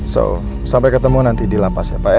so sampai ketemu nanti di lapas ya pak ya